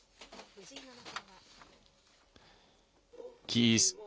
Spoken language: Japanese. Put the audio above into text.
藤井七冠は。